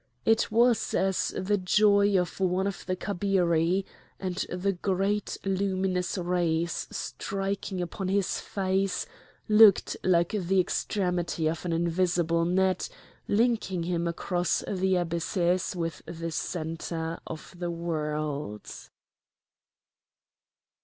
It was as the joy of one of the Kabiri; and the great luminous rays striking upon his face looked like the extremity of an invisible net linking him across the abysses with the centre of the world.